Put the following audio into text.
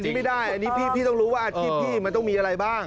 ไม่ได้อันนี้พี่ต้องรู้ว่าอาชีพพี่มันต้องมีอะไรบ้าง